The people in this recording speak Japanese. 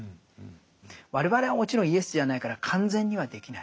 我々はもちろんイエスじゃないから完全にはできない。